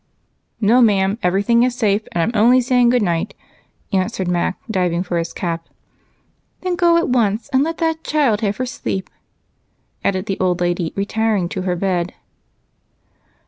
"No, ma'am, everything is safe, and I'm only saying good night," answered Mac, diving for his cap. "Then go at once and let that child have her sleep," added the old lady, retiring to her bed.